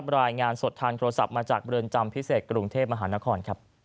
รายงานสดทางโทรศัพท์มาจากเรือนจำพิเศษกรุงเทพมหานคร